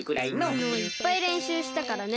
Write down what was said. きのういっぱいれんしゅうしたからね。